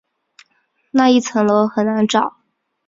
那一层楼很难找